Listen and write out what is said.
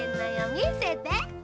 みせて。